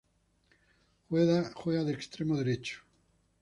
Juega de extremo derecho.